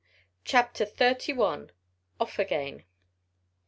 CHAPTER THIRTY ONE. OFF AGAIN.